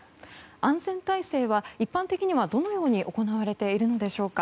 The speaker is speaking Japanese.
安全体制は一般的にはどのように行われているのでしょうか。